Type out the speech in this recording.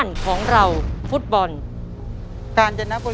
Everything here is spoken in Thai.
เร็วเร็วเร็วเร็ว